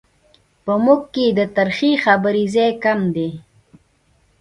په موږ کې د ترخې خبرې ځای کم دی.